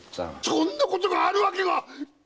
そんなことがあるわけが‼